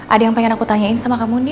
ada yang pengen aku tanyain sama kamu nih